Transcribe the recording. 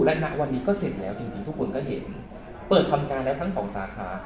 และณวันนี้ก็เสร็จแล้วจริงทุกคนก็เห็นเปิดทำการแล้วทั้งสองสาขา